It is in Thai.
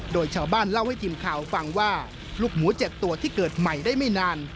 โดยชาวบ้านเล่าให้ทีมข่าวฟังว่าลูกหมู๗ตัวที่เกิดใหม่ได้ไม่นาน